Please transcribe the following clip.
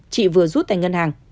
chị vừa rút tại ngân hàng